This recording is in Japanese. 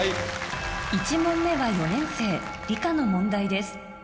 １問目は４年生理科の問題です